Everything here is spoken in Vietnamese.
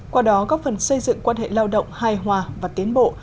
qua đó góp phần xây dựng quan hệ lao động hài hòa và tiến bộ